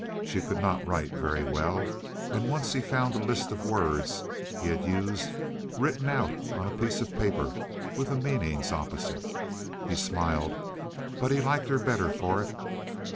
She could not write very well, and once he found a list of words he had used written out on a piece of paper with the meanings opposite. He smiled, but he liked her better for it.